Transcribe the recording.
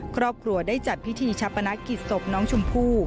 ครอบครัวได้จัดพิธีชะปนักกิจศพน้องชมพู่